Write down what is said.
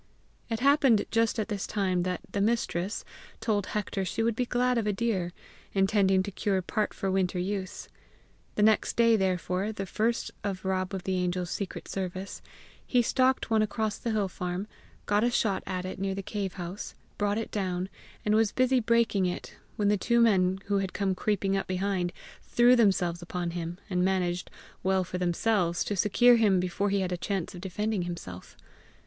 It happened just at this time that THE MISTRESS told Hector she would be glad of a deer, intending to cure part for winter use; the next day, therefore, the first of Rob of the Angels' secret service he stalked one across the hill farm, got a shot at it near the cave house, brought it down, and was busy breaking it, when two men who had come creeping up behind, threw themselves upon him, and managed, well for themselves, to secure him before he had a chance of defending himself.